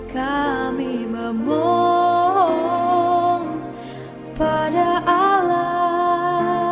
kami memohon pada allah